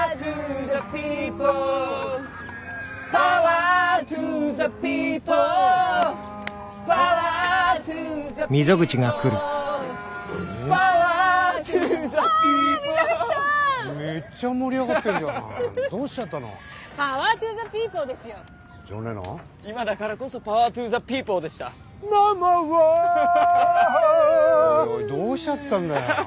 おいおいどうしちゃったんだよ。